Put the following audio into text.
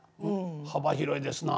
幅広いですなあ。